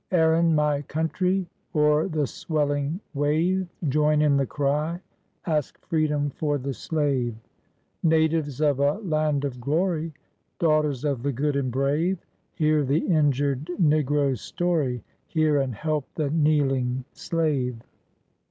Erin, my country ! o'er the swelling wave, Join in the cry, ask freedom for the slave !"" Natives of a land of glory, Daughters of the good and brave, Hear the injured negro's story, Hear, and help the kneeling slave